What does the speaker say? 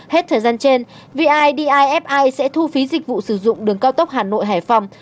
hết thời gian trên vidifi sẽ thu phí dịch vụ sử dụng đường cao tốc hà nội hải phòng